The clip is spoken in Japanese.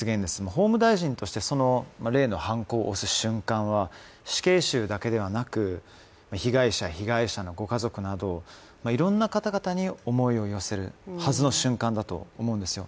法務大臣として、例のはんこを押す瞬間は死刑囚だけではなく、被害者、被害者のご家族などいろんな方々に思いを寄せるはずの瞬間だと思うんですよ。